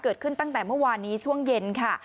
เกิดขึ้นตั้งแต่เมื่อวานนี้ช่วงเย็นค่ะ